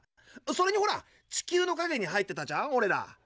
それにほら地球のかげに入ってたじゃんオレら。